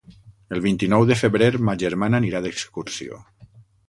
El vint-i-nou de febrer ma germana anirà d'excursió.